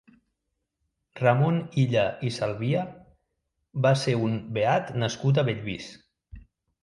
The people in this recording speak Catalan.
Ramon Illa i Salvia va ser un beat nascut a Bellvís.